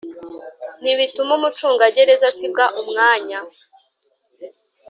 ntibituma umucungagereza asiga umwanya